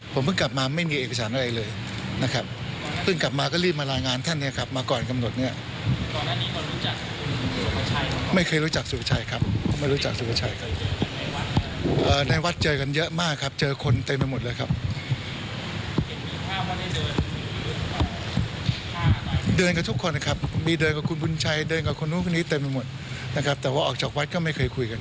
พนักงานสอบศูนย์ก็ได้ชี้แจงให้นายอนันท์รับทราบข้อกล่าวหาเดี๋ยวขอเวลา๖๐วันรวมเอกสารเพื่อมาชี้แจงหน้าที่